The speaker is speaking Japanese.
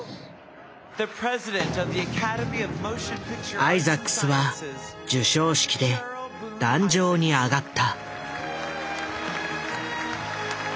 アイザックスは授賞式で壇上に上がった。